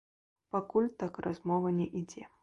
Пакуль так размова не ідзе.